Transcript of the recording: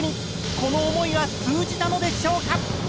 この思いは通じたのでしょうか？